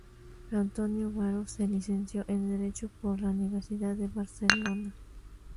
Antonio Baró se licenció en derecho por la Universidad de Barcelona.